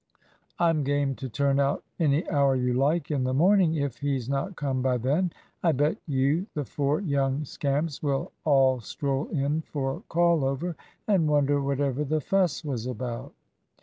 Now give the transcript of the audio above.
I'm game to turn out any hour you like in the morning, if he's not come by then. I bet you the four young scamps will all stroll in for call over, and wonder whatever the fuss was about."